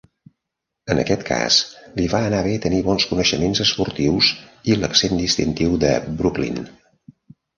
En aquest cas li va anar bé tenir bons coneixements esportius i l'accent distintiu de Brooklyn.